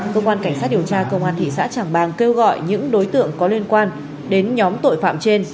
cơ quan cảnh sát điều tra công an thị xã trảng bàng kêu gọi những đối tượng có liên quan đến nhóm tội phạm trên